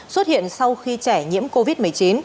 xuất hiện sau khi trẻ nhiễm covid một mươi chín